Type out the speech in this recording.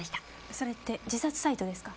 それって自殺サイトですか？